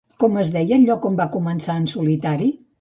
Com es deia el lloc on va començar en solitari?